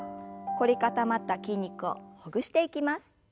凝り固まった筋肉をほぐしていきます。